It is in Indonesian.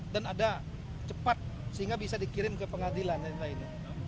dan ada cepat sehingga bisa dikirim ke pengadilan dan lain lain